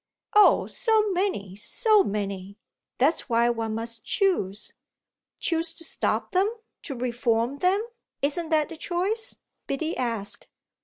"Oh so many, so many! That's why one must choose." "Choose to stop them, to reform them isn't that the choice?" Biddy asked.